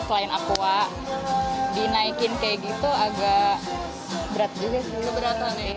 selain apua dinaikin kayak gitu agak berat juga